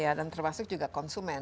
ya dan termasuk juga konsumen